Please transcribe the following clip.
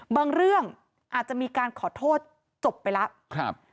บางเรื่องอาจจะมีการขอโทษจบไปแล้ว